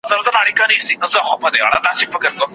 د مرګ دامونه